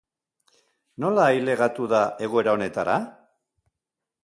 Nola ailegatu da egoera honetara?